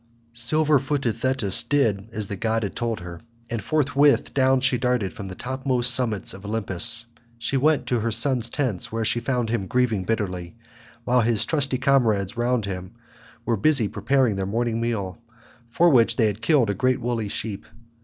Silver footed Thetis did as the god had told her, and forthwith down she darted from the topmost summits of Olympus. She went to her son's tents where she found him grieving bitterly, while his trusty comrades round him were busy preparing their morning meal, for which they had killed a great woolly sheep.